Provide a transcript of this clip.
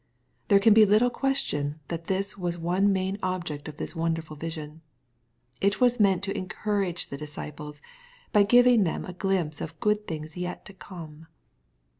There can be little question that this was one main object of this wonderful vision. It was meant to en coiirage the disciples, by giving them a glimpse of good things yet to come.